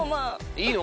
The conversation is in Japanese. いいの？